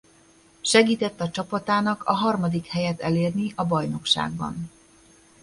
Segített a csapatának a harmadik helyet elérni a bajnokságban.